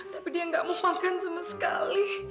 tapi dia nggak mau makan sama sekali